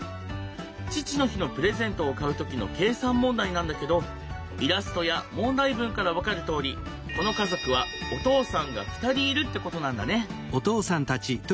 父の日のプレゼントを買う時の計算問題なんだけどイラストや問題文から分かるとおりこの家族はお父さんが２人いるってことなんだね。